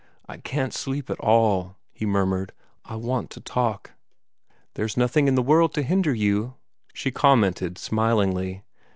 "I can't sleep at all," he murmured. "I want to talk." "There 's nothing in the world to hinder you," she commented smilingly.